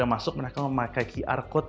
yang masuk mereka memakai qr code